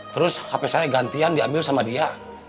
terus hp saya gantian diambil sama dia